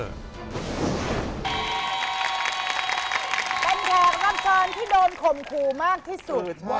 เป็นแขกรับเชิญที่โดนข่มขู่มากที่สุด